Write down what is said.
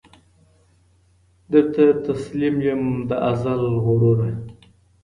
درته تسلیم یم د ازل زوره